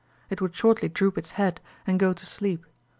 It would shortly droop its head and go to sleep.